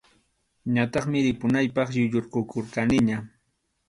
Ñataqmi ripunaypaq yuyaykukurqaniña.